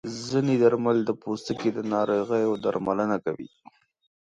ځینې درمل د پوستکي د ناروغیو درملنه کوي.